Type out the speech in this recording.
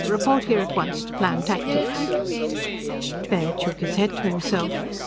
Report here at once to plan tactics!_" Baird shook his head, to himself.